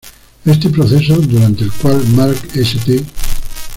Este proceso, durante el cual Mark St.